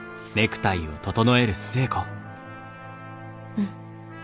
うん。